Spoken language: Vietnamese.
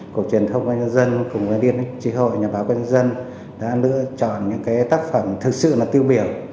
cổ truyền thông của nhà dân cùng liên chỉ hội nhà báo công dân đã lựa chọn những tác phẩm thực sự tiêu biểu